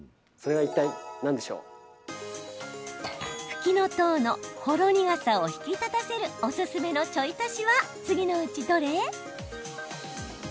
ふきのとうのほろ苦さを引き立たせるおすすめのちょい足しは次のうちどれ？